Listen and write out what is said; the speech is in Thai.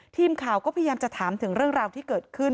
ทีมข่าวก็พยายามจะถามถึงเรื่องราวที่เกิดขึ้น